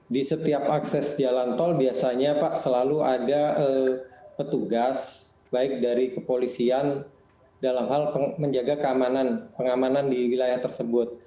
di setiap akses jalan tol biasanya pak selalu ada petugas baik dari kepolisian dalam hal menjaga keamanan pengamanan di wilayah tersebut